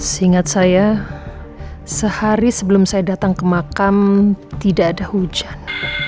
seingat saya sehari sebelum saya datang ke makam tidak ada hujan